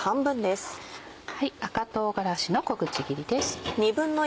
赤唐辛子の小口切りです。